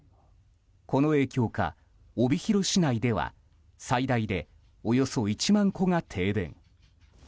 この影響か、帯広市内では最大でおよそ１万戸が停電。